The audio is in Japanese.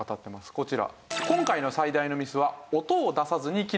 こちら。